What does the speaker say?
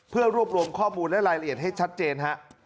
เพื่อรวบรวมข้อมูลและรายละเอียดให้ชัดเจนฮะ